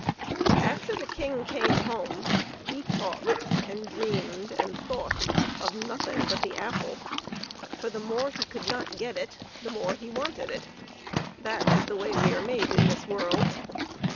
After the King came home, he talked and dreamed and thought of nothing but the apple; for the more he could not get it the more he wanted it that is the way we are made in this world.